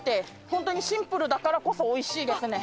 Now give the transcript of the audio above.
本当にシンプルだからこそおいしいですね。